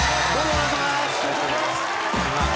お願いします